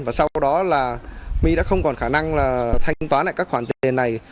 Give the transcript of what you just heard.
và sau đó là my đã không còn khả năng là thanh toán lại các khoản tiền này